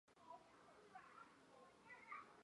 她昨晚坐高铁去了北京，下周才回来。